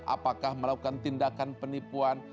apakah melakukan tindakan penipuan